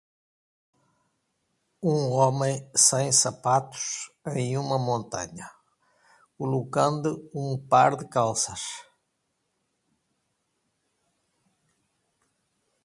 Um homem sem sapatos em uma montanha, colocando um par de calças.